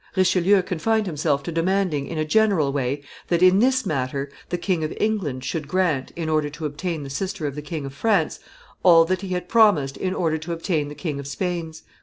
Richelieu confined himself to demanding, in a general way, that, in this matter, the King of England should grant, in order to obtain the sister of the King of France, all that he had promised in order to obtain the King of Spain's.